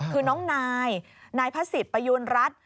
คือน้องนายนายพระศิษย์ประยูณรัฐ